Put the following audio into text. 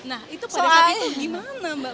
nah itu pada saat itu gimana mbak